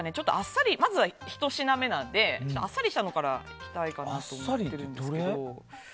まずは１品目なのであっさりしたものからいきたいかなと思いますけど。